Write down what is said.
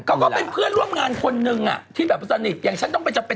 ก็เป็นเพื่อนร่วมงานคนนึงอ่ะที่แบบสนิทอย่างฉันต้องไปจำเป็น